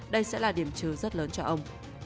đây sẽ là điểm trừ rất lớn cho ông